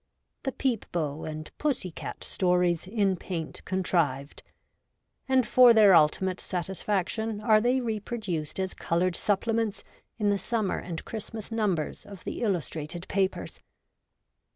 the ' peep bo ' and ' pussy cat ' stories in paint contrived ; and for their ultimate satisfaction are they reproduced as coloured supplements in the summer and Christmas numbers of the illustrated papers.